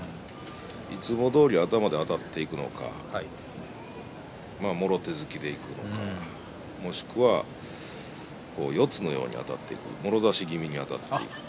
いつもどおり頭であたっていくのかもろ手突きでいくのかもしくは四つのようにもろ差しで右へあたっていくのか。